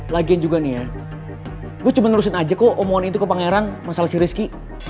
lagian juga nih ya gue cuma nerusin aja kok omongan itu ke pangeran masalah si rizky